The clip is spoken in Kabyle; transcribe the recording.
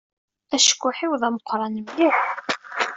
Acekkuḥ-iw d ameqran mliḥ.